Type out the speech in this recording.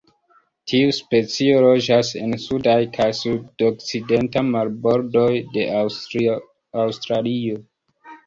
Tiu specio loĝas en sudaj kaj sudokcidenta marbordoj de Aŭstralio.